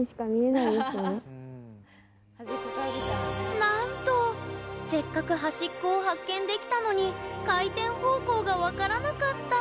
なんと、せっかく端っこを発見できたのに回転方向が分からなかった。